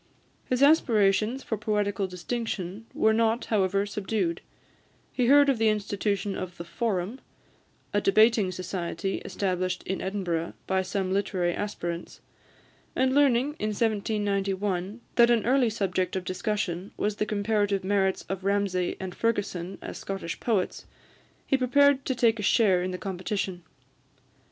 His aspirations for poetical distinction were not, however, subdued; he heard of the institution of the Forum, a debating society established in Edinburgh by some literary aspirants, and learning, in 1791, that an early subject of discussion was the comparative merits of Ramsay and Fergusson as Scottish poets, he prepared to take a share in the competition.